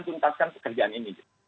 kuntaskan pekerjaan ini